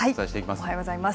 おはようございます。